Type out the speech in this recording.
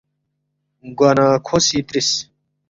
گوانہ کھو سی ترِس،